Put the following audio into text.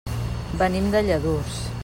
Venim de Lladurs.